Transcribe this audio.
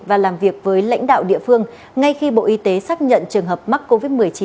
và làm việc với lãnh đạo địa phương ngay khi bộ y tế xác nhận trường hợp mắc covid một mươi chín